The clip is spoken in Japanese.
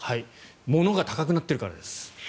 物が高くなっているからです。